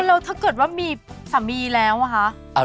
แล้วถ้าเกิดว่ามีสามีแล้วอะคะ